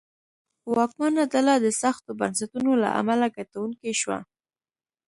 واکمنه ډله د سختو بنسټونو له امله ګټونکې شوه.